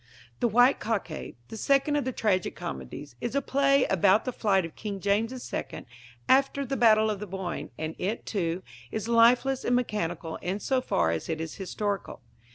The White Cockade, the second of the tragic comedies, is a play about the flight of King James II after the Battle of the Boyne, and it, too, is lifeless and mechanical in so far as it is historical.